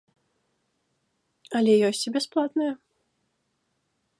Але ёсць і бясплатныя.